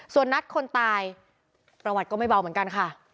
ส่วนนัดคนตายประวัติก็ไม่เบาเหมือนกันค่ะ